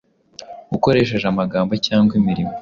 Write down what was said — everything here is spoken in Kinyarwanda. Ukoresheje amagambo cyangwa imirimo